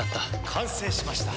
完成しました。